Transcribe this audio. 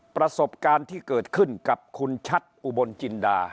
ประสบการณ์ที่เกิดขึ้นกับคุณชัดอุบลจินดา